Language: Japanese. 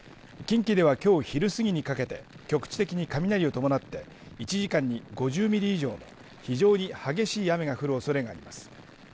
近畿では、きょう昼過ぎにかけて局地的に雷を伴って１時間に５０ミリ以上の非常に激しい雨が降るおそれがあります。